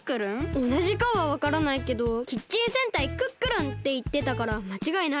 おなじかはわからないけど「キッチン戦隊クックルン！」っていってたからまちがいない。